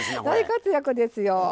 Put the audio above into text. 大活躍ですよ。